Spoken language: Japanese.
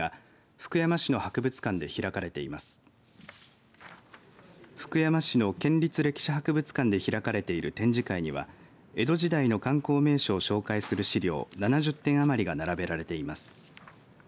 福山市の県立歴史博物館で開かれている展示会には江戸時代の観光名所を紹介する資料７０点余りが並べられています。